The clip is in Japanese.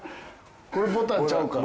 これボタンちゃうから。